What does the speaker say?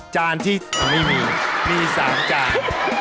จานที่ไม่มีมี๓จาน